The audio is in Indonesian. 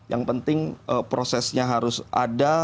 yang penting prosesnya harus ada